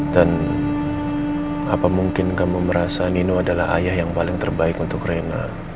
dan apa mungkin kamu merasa nino adalah ayah yang paling terbaik untuk rena